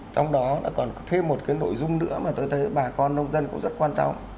trong đó nó còn có thêm một cái nội dung nữa mà tôi thấy bà con nông dân cũng rất quan trọng